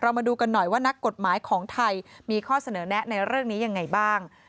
มาดูกันหน่อยว่านักกฎหมายของไทยมีข้อเสนอแนะในเรื่องนี้ยังไงบ้าง